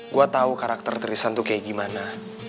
gue tau karakter tristan tuh kayak gimana